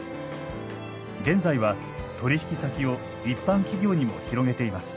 現在は取り引き先を一般企業にも広げています。